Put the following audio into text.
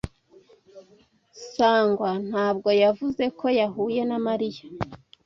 Sangwa ntabwo yavuze ko yahuye na Mariya.